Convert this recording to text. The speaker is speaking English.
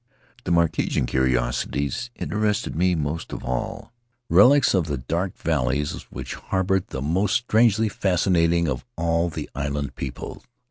The Marquesan curiosities interested me most of all — At the House of Tari relics of those dark valleys which harbored the most strangely fascinating of all the island peoples.